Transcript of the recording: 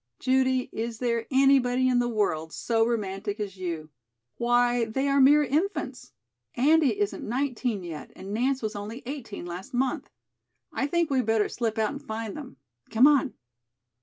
"Judy, is there anybody in the world so romantic as you? Why, they are mere infants. Andy isn't nineteen yet and Nance was only eighteen last month. I think we'd better slip out and find them. Come on."